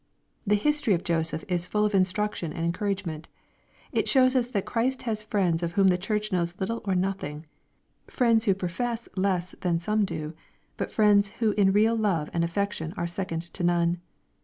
The history of Joseph is full of instruction and encour agement. It shows us that Christ has friends of w^hom the Church knows little or nothing, friends who profess less than some do, but friends who in real love and af fection are second to none.